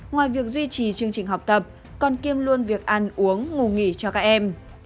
ngoài việc duy trì chương trình học tập con kiêm luôn việc ăn uống ngủ nghỉ cho các em